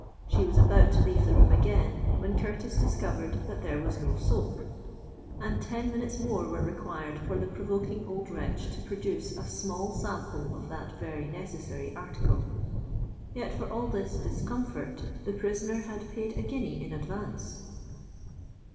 She was about to leave the room again, when Curtis discovered that there was no soap; and ten minutes more were required for the provoking old wretch to produce a small sample of that very necessary article. Yet for all this discomfort, the prisoner had paid a guinea in advance!